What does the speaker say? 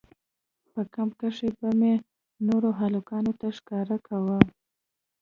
په کمپ کښې به مې نورو هلکانو ته ښکاره کاوه.